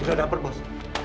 udah dapet bos